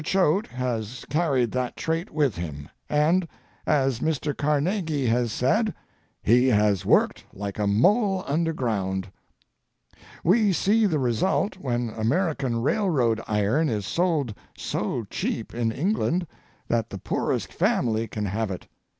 Choate has carried that trait with him, and, as Mr. Carnegie has said, he has worked like a mole underground. We see the result when American railroad iron is sold so cheap in England that the poorest family can have it.